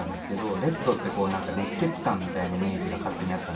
レッドってこうなんか熱血漢みたいなイメージが勝手にあったんですけど。